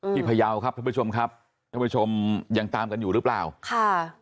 พยาวครับท่านผู้ชมครับท่านผู้ชมยังตามกันอยู่หรือเปล่าค่ะ